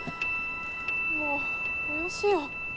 もうおよしよ。